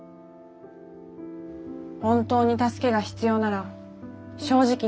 本当に助けが必要なら正直に伝えて下さい。